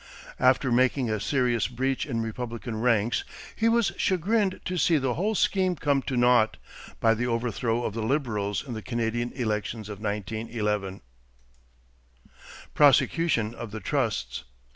After making a serious breach in Republican ranks, he was chagrined to see the whole scheme come to naught by the overthrow of the Liberals in the Canadian elections of 1911. =Prosecution of the Trusts.